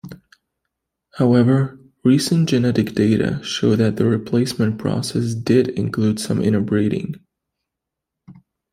However, recent genetic data show that the replacement process did include some interbreeding.